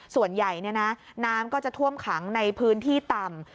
ส่วนใหญ่น้ำก็จะท่วมขังในพื้นที่ต่ำ